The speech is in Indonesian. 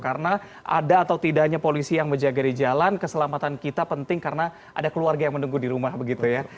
karena ada atau tidaknya polisi yang menjaga di jalan keselamatan kita penting karena ada keluarga yang menunggu di rumah begitu ya